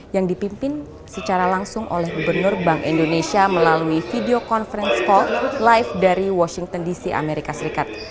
yang dipimpin secara langsung oleh gubernur bank indonesia melalui video conference sport live dari washington dc amerika serikat